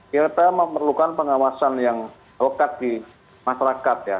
kita memerlukan pengawasan yang lekat di masyarakat ya